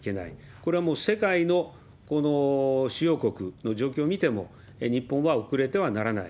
これはもう世界の主要国の状況を見ても、日本は遅れてはならない。